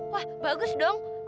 wah bagus dong